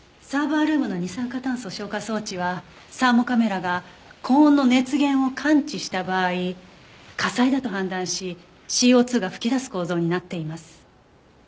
サーバールームの二酸化炭素消火装置はサーモカメラが高温の熱源を感知した場合火災だと判断しＣＯ２が噴き出す構造になっています。